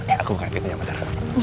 eh aku kayak gitu nyamater